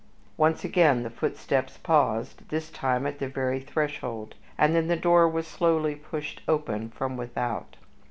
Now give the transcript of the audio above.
Once again the footsteps paused, this time at the very threshold, and then the door was slowly pushed open from without.